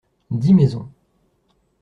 Dix maisons.